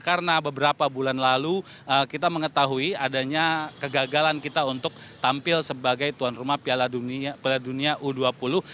karena beberapa bulan lalu kita mengetahui adanya kegagalan kita untuk tampil sebagai tuan rumah piala dunia u dua puluh